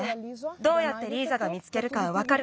どうやってリーザが見つけるかわかるから。